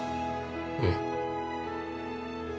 うん。